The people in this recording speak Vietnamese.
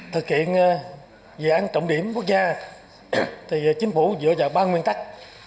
thực hiện dự án trọng điểm quốc gia thì chính phủ dựa vào ba nguyên tắc